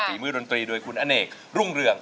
ฝีมือดนตรีด้วยคุณอเนกลุ่งเรือง